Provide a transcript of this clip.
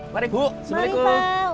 mari bu assalamualaikum